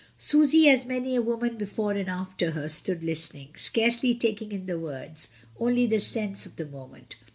Susy, as many a woman before and after her, stood listening, scarcely taking in the words, only the sense of the moment.